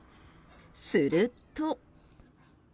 すると。